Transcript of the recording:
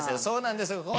そうなんですよ。